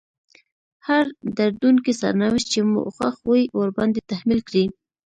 هر دردونکی سرنوشت چې مو خوښ وي ورباندې تحميل کړئ.